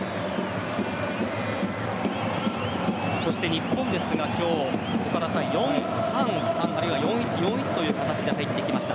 日本ですが今日４−３−３あるいは４−１−４−１という形で入ってきました。